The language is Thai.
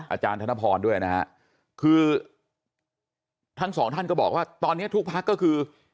อาจารย์ธนพรด้วยนะฮะคือทั้งสองท่านก็บอกว่าตอนนี้ทุกพักก็คือ